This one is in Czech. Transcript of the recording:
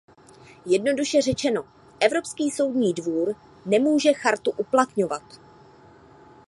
Jednoduše řečeno, Evropský soudní dvůr nemůže Chartu uplatňovat.